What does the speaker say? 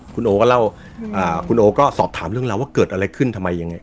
คุณโอก็สอบถามเรื่องราวว่าเกิดอะไรขึ้นทำไมยังไง